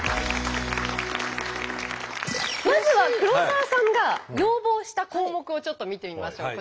まずは黒沢さんが要望した項目をちょっと見てみましょう。